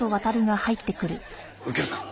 右京さん